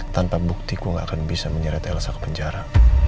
tanpa bukti gue gak akan bisa menyeret elsa ke penjara